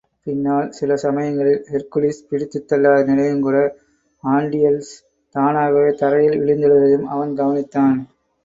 பின்னாள் சில சமயங்களில், ஹெர்க்குலிஸ் பிடித்துத் தள்ளாத நிலையிலுங்கூட ஆன்டியள்ஸ் தானாகத் தரையிலே விழுந்தெழுவதையும் அவன் கவனித்தான்.